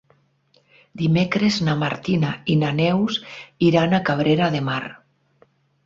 Dimecres na Martina i na Neus iran a Cabrera de Mar.